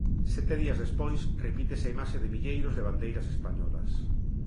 Sete días despois, repítese a imaxe de milleiros de bandeiras españolas.